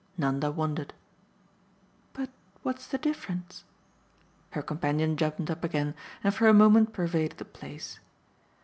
Nanda wondered. "But what's the difference?" Her companion jumped up again and for a moment pervaded the place.